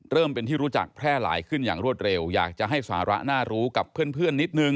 เป็นที่รู้จักแพร่หลายขึ้นอย่างรวดเร็วอยากจะให้สาระน่ารู้กับเพื่อนนิดนึง